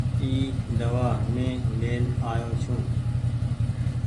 اي دوآ مين لين آيو ڇون ۔